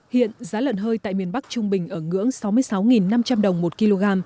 hiện giá lợn hơi tại miền bắc trung bình ở ngưỡng sáu mươi sáu năm trăm linh đồng một kg